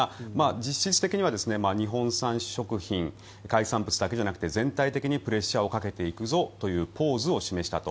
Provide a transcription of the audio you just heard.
実質的には日本産食品海産物だけじゃなくて全体的にプレッシャーをかけていくぞというポーズを示したと。